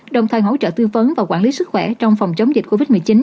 đồng thời hỗ trợ tư vấn và quản lý sức khỏe trong phòng chống dịch covid một mươi chín